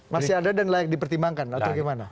masih ada dan layak dipertimbangkan atau gimana